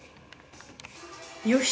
よし！